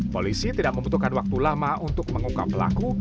polisi tidak membutuhkan waktu lama untuk mengungkap pelaku